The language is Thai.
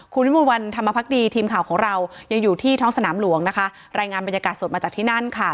คุณวิมวลวันธรรมพักดีทีมข่าวของเรายังอยู่ที่ท้องสนามหลวงนะคะรายงานบรรยากาศสดมาจากที่นั่นค่ะ